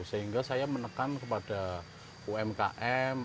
sehingga saya menekan kepada umkm